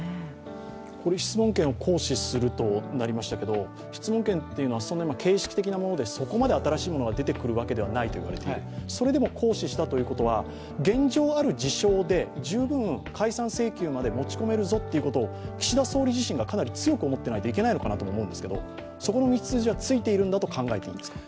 質問権を行使するとなりましたけれども、質問権というのは形式的なもので、そこまで新しいものが出てこない、それでも行使したということは現状ある事象で十分解散請求まで持ち込めるぞということを岸田総理自身がかなり強く思っていないといけないと思うんですけど、そこの道筋はついていると考えていいんですか？